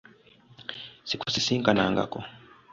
Sikusisinkanangako.